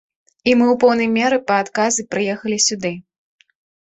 І мы ў пэўнай меры па адказы прыехалі сюды.